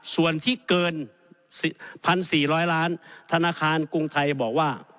ส่วนที่เกิน๑๔๐๐ล้านธนาคารกรุงไทยบอกว่า